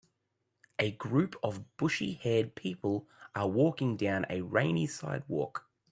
A group of bushy haired people are walking down a rainy sidewalk.